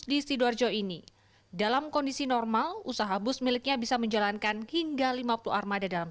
di sidoarjo ini dalam kondisi normal usaha bus miliknya bisa menjalankan hingga lima puluh armada dalam